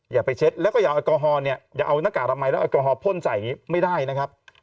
อย่าไปเช็ดแล้วก็อย่าเอาแอลกอฮอล์เนี่ยอย่าเอาหน้ากากอนามัยแล้วแอลกอฮอลพ่นใส่อย่างนี้ไม่ได้นะครับ